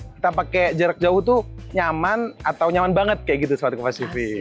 kita pakai jarak jauh tuh nyaman atau nyaman banget kayak gitu soal ke pasifik